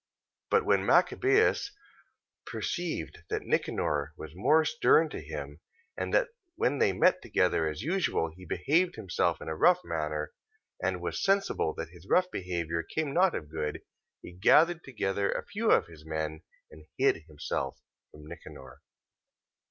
14:30. But when Machabeus perceived that Nicanor was more stern to him, and that when they met together as usual he behaved himself in a rough manner; and was sensible that this rough behaviour came not of good, he gathered together a few of his men, and hid himself from Nicanor.